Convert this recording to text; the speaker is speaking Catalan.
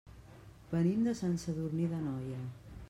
Venim de Sant Sadurní d'Anoia.